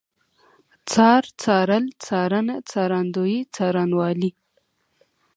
څار، څارل، څارنه، څارندوی، څارنوالي